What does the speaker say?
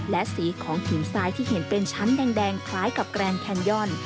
และสีของผิวทรายที่เห็นเป็นชั้นแดงคล้ายกับแกรนแคนย่อน